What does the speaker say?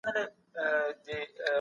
تاسي په خپلو ملګرو کي مشهور یاست.